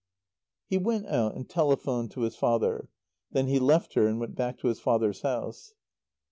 He went out and telephoned to his father. Then he left her and went back to his father's house.